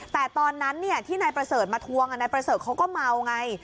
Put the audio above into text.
แต่ตอนนั้นที่นายประเสริฐมาทวงนายประเสริฐเขาก็เมาไง